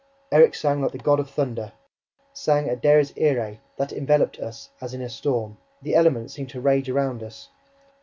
Erik sang like the god of thunder, sang a DIES IRAE that enveloped us as in a storm. The elements seemed to rage around us.